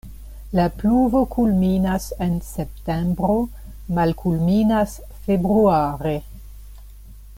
La pluvo kulminas en septembro, malkulminas februare.